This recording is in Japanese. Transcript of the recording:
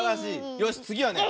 よしつぎはね